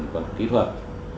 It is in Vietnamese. và kỹ thuật